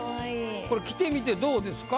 これ着てみてどうですか？